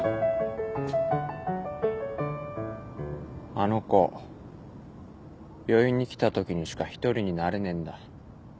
あの子病院に来たときにしか一人になれねえんだ。